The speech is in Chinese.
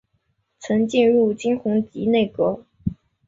曾进入金弘集内阁。